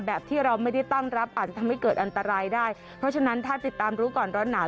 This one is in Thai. แบบที่เราไม่ได้ตั้งรับอาจจะทำให้เกิดอันตรายได้เพราะฉะนั้นถ้าติดตามรู้ก่อนร้อนหนาว